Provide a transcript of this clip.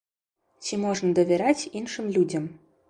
Ці можна давяраць іншым людзям?